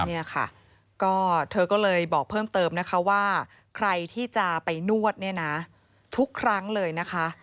เนี่ยค่ะก็เธอก็เลยบอกเพิ่มเติมนะคะว่าใครที่จะไปนวดเนี่ยนะทุกครั้งเลยนะคะ